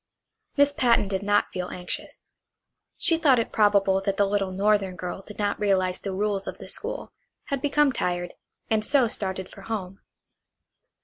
Miss Patten did not feel anxious. She thought it probable that the little northern girl did not realize the rules of the school, had become tired, and so started for home.